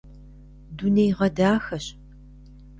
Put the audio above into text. Дунейгъэдахэщ.